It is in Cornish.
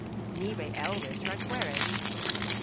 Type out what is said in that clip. Ni re elwis rag gweres.